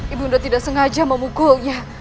ibu tidak sengaja memukulnya